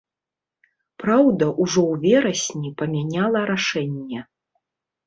Праўда, ужо ў верасні памяняла рашэнне.